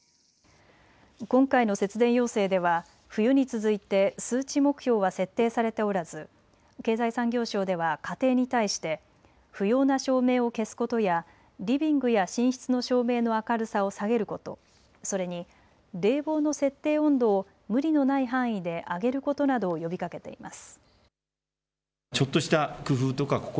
今回の節電要請では冬に続いて数値目標は設定されておらず経済産業省では家庭に対して不要な照明を消すことやリビングや寝室の照明の明るさを下げること、それに冷房の設定温度を無理のない範囲で上げることなどを呼びかけています。